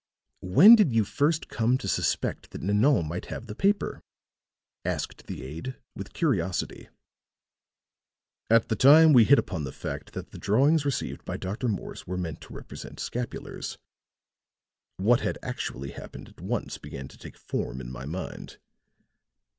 "When did you first come to suspect that Nanon might have the paper?" asked the aide, with curiosity. "At the time we hit upon the fact that the drawings received by Dr. Morse were meant to represent scapulars. What had actually happened at once began to take form in my mind.